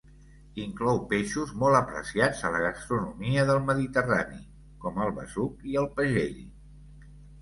Inclou peixos molt apreciats a la gastronomia del Mediterrani, com el besuc i el pagell.